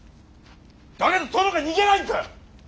だけど殿が逃げないんだよ！